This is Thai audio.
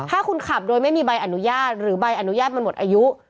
ถ้าคุณขับโดยไม่มีใบอนุญาตหรือใบอนุญาตมันหมดอายุ